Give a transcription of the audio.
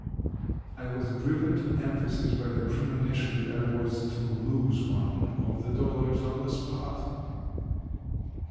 I was driven to emphasis by the premonition that I was to lose one of the dollars on the spot.